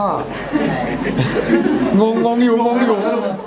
งงงงงงงงงงงง